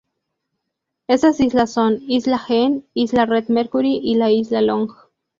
Esas islas son: Isla Hen, Isla Red Mercury y la Isla Long.